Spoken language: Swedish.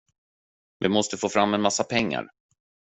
Vi måste få fram en massa pengar.